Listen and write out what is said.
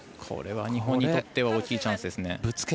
これは日本にとっては大きいチャンスですね。